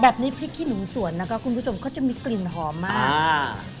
แบบนี้พริกขี้หนูส่วนนะครับคุณผู้ชมก็จะมีกลิ่นหอมมาก